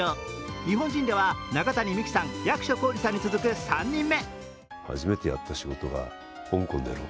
日本人では中谷美紀さん、役所広司さんに続く３人目。